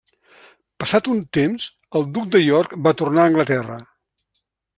Passat un temps el duc de York va tornar a Anglaterra.